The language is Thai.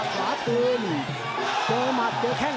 เจ้าแข้งเจ้าแข้ง